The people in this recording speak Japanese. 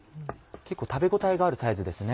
結構食べ応えがあるサイズですね。